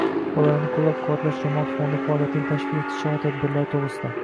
Bolalarni qo‘llab-quvvatlash jamoat fondi faoliyatini tashkil etish chora-tadbirlari to‘g‘risida